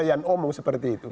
yang omong seperti itu